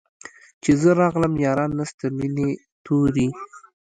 چي زه راغلم ياران نسته مېني توري